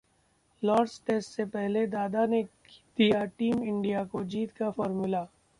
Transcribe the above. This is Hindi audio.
लॉर्ड्स टेस्ट से पहले दादा ने दिया टीम इंडिया को जीत का फॉर्मूला